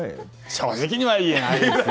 正直には言えないですよ。